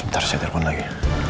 sebentar saya telepon lagi